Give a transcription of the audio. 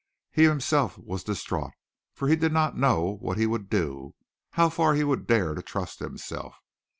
He himself was distraught, for he did not know what he would do how far he would dare to trust himself.